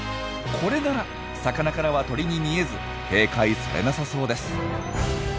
これなら魚からは鳥に見えず警戒されなさそうです。